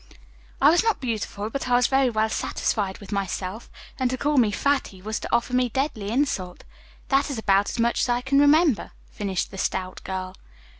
I was not beautiful, but I was very well satisfied with myself, and to call me 'Fatty' was to offer me deadly insult. That is about as much as I can remember," finished the stout girl.